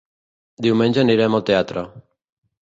Diumenge anirem al teatre.